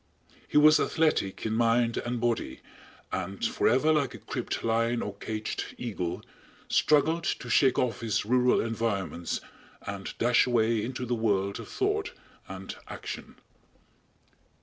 He was athletic in mind and body, and forever like a cribbed lion or caged eagle, struggled to shake off his rural environments and dash away into the world of thought and action.